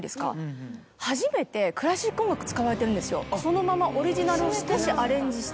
そのままオリジナルを少しアレンジして。